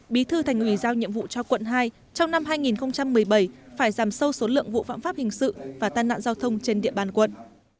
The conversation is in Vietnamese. bí thư thành ủy giao nhiệm vụ cho quận hai trong năm hai nghìn một mươi bảy phải giảm sâu số lượng vụ phạm pháp hình sự và tai nạn giao thông trên địa bàn quận